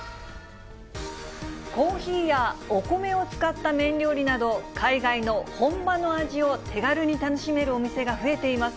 コーヒーや、お米を使った麺料理など、海外の本番の味を手軽に楽しめるお店が増えています。